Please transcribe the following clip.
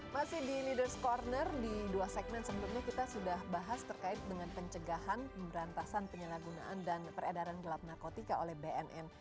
masih di ⁇ leaders ⁇ corner di dua segmen sebelumnya kita sudah bahas terkait dengan pencegahan pemberantasan penyalahgunaan dan peredaran gelap narkotika oleh bnn